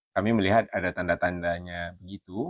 kami melihat ada tanda tandanya begitu